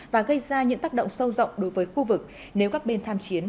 và gây ra những tác động sâu rộng đối với khu vực nếu các bên tham chiến